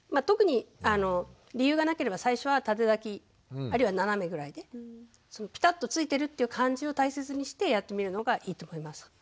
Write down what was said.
特に理由がなければ最初は縦抱きあるいは斜めぐらいでぴたっとついてるっていう感じを大切にしてやってみるのがいいと思います。